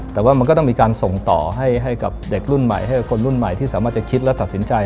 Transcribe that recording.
แต่ว่ามันก็ต้องมีการส่งต่อให้กับเด็กรุ่นใหม่ให้กับคนรุ่นใหม่ที่สามารถจะคิดและตัดสินใจ